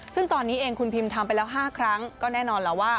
ซึ่งตอนนี้เองคุณพิมทำไปแล้ว๕ครั้งก็แน่นอนแล้วว่า